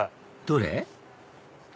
どれ？